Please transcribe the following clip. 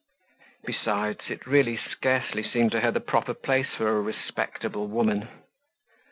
Besides, it really scarcely seemed to her the proper place for a respectable woman.